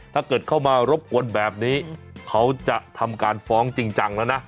ถ้าเกิดเข้ามารบกวนแบบนี้เขาจะทำการฟ้องจริงจังแล้วนะ